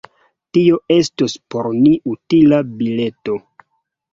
Tio estos por ni utila bileto!